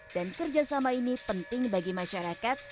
dan kerjasama ini penting bagi masyarakat